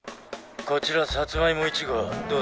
こちらサツマイモ１ごう。